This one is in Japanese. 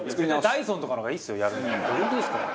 ダイソンとかの方がいいですよ。